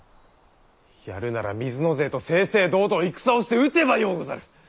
やるなら水野勢と正々堂々戦をして討てばようござる。